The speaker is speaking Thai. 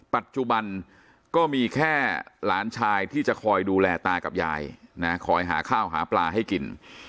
ปัจจุบันก็มีแค่หลานชายที่จะคอยดูแลตากับยายนะคอยหาข้าวหาปลาให้กิน